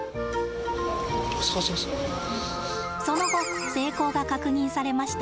その後成功が確認されました。